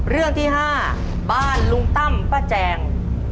เรื่องที่๕บ้านลุงตั้มป้าแจง